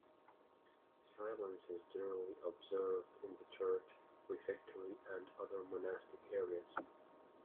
Silence is generally observed in the church, refectory and other monastic areas.